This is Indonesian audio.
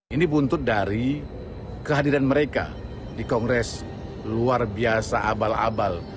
ini buntut dari kehadiran mereka di kongres luar biasa abal abal